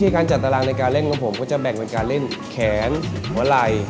การจัดตารางในการเล่นของผมก็จะแบ่งเป็นการเล่นแขนหัวไหล่